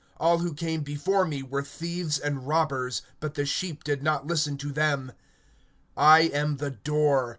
(8)All who came before me are thieves and robbers; but the sheep did not hear them. (9)I am the door.